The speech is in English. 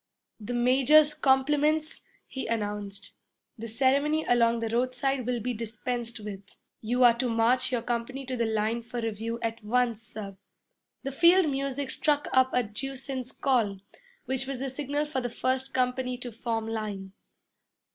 'The major's compliments,' he announced. 'The ceremony along the road side will be dispensed with. You are to march your company to the line for review at once, sir.' The field music struck up adjutant's call, which was the signal for the first company to form line.